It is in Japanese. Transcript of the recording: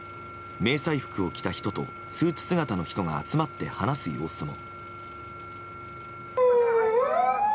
迷彩服を着た人とスーツ姿の人が集まって話す様子も。